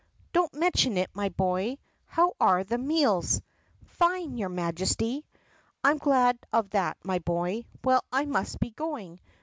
"Don't mention it, my boy. How are the meals?" "Fine, your Majesty!" "I 'm glad of that, my boy. Well, I must be going.